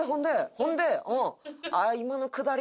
ほんで？